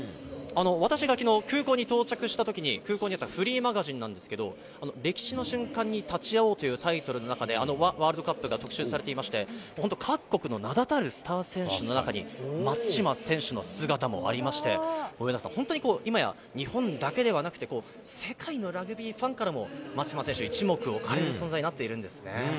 私がきのう、空港に到着したときに空港にあったフリーマガジンなんですけど、歴史の瞬間に立ち会おうというタイトルの中で、ワールドカップが特集されていまして、本当、各国の名だたるスター選手の中に、松島選手の姿もありまして、上田さん、本当にいまや日本だけではなくて、世界のラグビーファンからも、松島選手、一目置かれる存在になっているんですね。